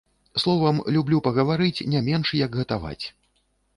Словам, люблю пагаварыць не менш як гатаваць.